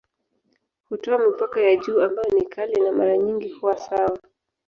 Hutoa mipaka ya juu ambayo ni kali na mara nyingi huwa sawa.